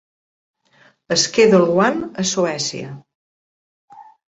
Schedule One a Suècia.